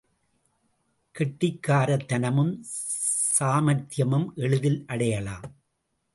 கெட்டிக்காரத்தனமும் சாமர்த்தியமும் எளிதில் அடையலாம்.